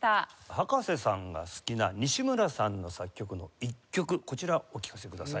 葉加瀬さんが好きな西村さんの作曲の一曲こちらお聞かせください。